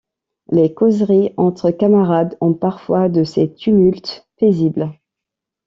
Les causeries entre camarades ont parfois de ces tumultes paisibles.